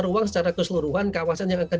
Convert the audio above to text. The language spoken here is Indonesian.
ruang secara keseluruhan kawasan yang akan